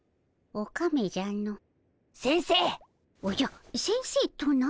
おじゃ先生とな？